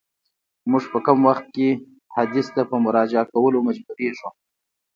موږ په کوم وخت کي حدیث ته په مراجعه کولو مجبوریږو؟